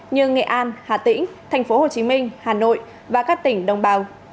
như nghệ an hà tĩnh thành phố hồ chí minh hà nội và các tỉnh đồng bào